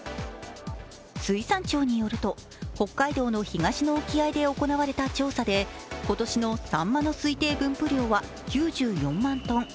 水産庁によると北海道の東の沖合で行われた調査で今年のさんまの推定分布量は９４万トン。